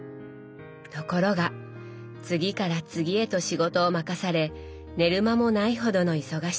ところが次から次へと仕事を任され寝る間もないほどの忙しさ。